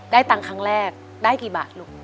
ตังค์ครั้งแรกได้กี่บาทลูก